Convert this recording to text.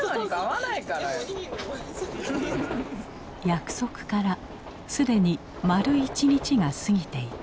約束から既に丸一日が過ぎていた。